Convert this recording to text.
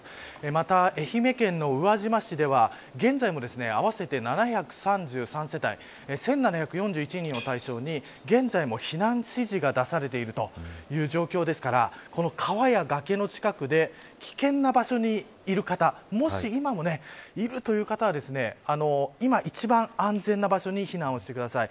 また愛媛県の宇和島市では現在でも合わせて７３３世帯１７４１人を対象に現在も避難指示が出されているという状況ですから川や崖の近くで危険な場所にいる方もし、今もいるという方は今一番安全な場所に避難してください。